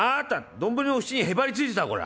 丼の縁にへばりついてたわこら。